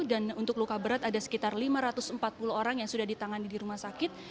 dan untuk luka berat ada sekitar lima ratus empat puluh orang yang sudah ditangani di rumah sakit